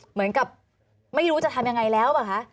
เหมือนกับไม่รู้จะทำยังไงแล้วป่ะคะ